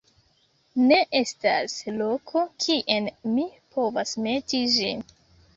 Ne estas loko kien mi povas meti ĝin!